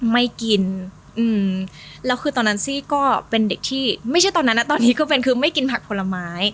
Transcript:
ไม่กินอืมแล้วคือตอนนั้นซี่ก็เป็นเด็กที่ไม่ใช่ตอนนั้นนะตอนนี้ก็เป็นคือไม่กินผักผลไม้